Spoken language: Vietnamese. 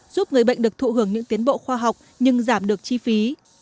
giúp người bệnh được thụ hưởng những tiến bộ khoa học nhưng giảm được chi phí